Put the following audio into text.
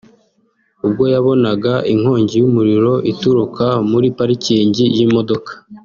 ubwo yabonaga inkongi y’umuriro ituruka muri pariking y’imodoka